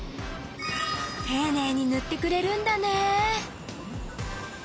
ていねいにぬってくれるんだね。